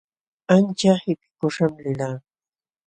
Ancha qipikuśham lilqaa.